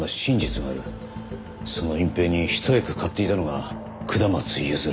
その隠蔽に一役買っていたのが下松譲。